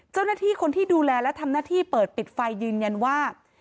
เจ้าหน้าที่คนที่ดูแลและทำหน้าที่เปิดปิดไฟยืนยันว่า